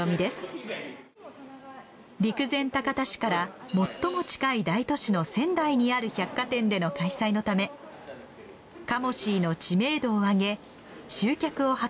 陸前高田市から最も近い大都市の仙台にある百貨店での開催のためカモシーの知名度を上げ集客を図る絶好の機会。